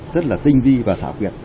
rất là tinh vi và xả quyệt